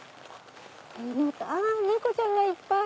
あ猫ちゃんがいっぱい！